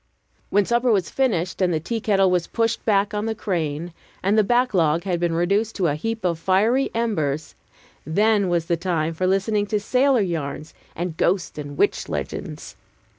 When supper was finished, and the tea kettle was pushed back on the crane, and the backlog had been reduced to a heap of fiery embers, then was the time for listening to sailor yarns and ghost and witch legends.